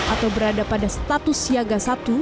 atau berada pada status siaga satu